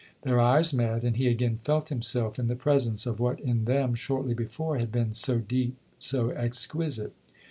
Their eyes met, and he again felt himself in the presence of what, in them, shortly before, had been so deep, so exquisite.